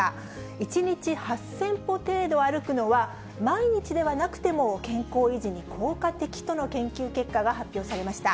１日８０００歩程度歩くのは、毎日ではなくても健康維持に効果的との研究結果が発表されました。